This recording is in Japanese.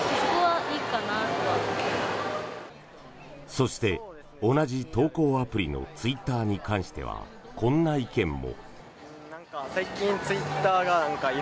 そして、同じ投稿アプリのツイッターに関してはこんな意見も。